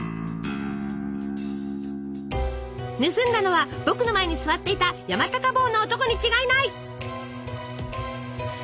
「盗んだのは僕の前に座っていた山高帽の男に違いない！」。